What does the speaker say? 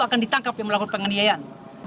akan ditangkap yang melakukan penganiayaan